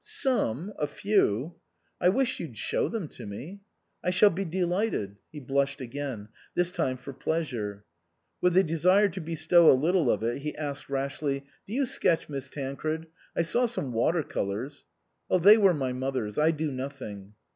" Some a few." " I wish you'd show them to me." "I shall be delighted." He blushed again, this time for pleasure. With the desire to bestow a little of it, he asked rashly, " Do you sketch, Miss Tancred? I saw some water colours "" They were my mother's. I do nothing."